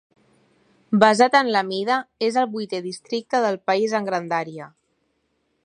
Basat en la mida, és el vuitè districte del país en grandària.